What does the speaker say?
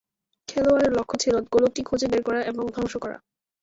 খেলোয়াড়ের লক্ষ্য ছিল গোলকটি খুঁজে বের করা এবং ধ্বংস করা।